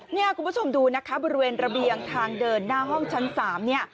คุณผู้ชมดูนะคะบริเวณระเบียงทางเดินหน้าห้องชั้น๓เนี่ย